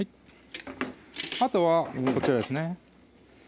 あとはこちらですね